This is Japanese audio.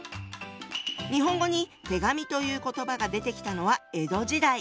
日本語に「手紙」という言葉が出てきたのは江戸時代。